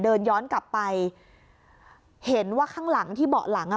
เดินย้อนกลับไปเห็นว่าข้างหลังที่เบาะหลังอ่ะ